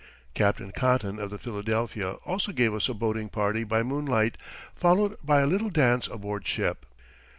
Captain Cotton of the Philadelphia also gave us a boating party by moonlight, followed by a little dance aboard ship.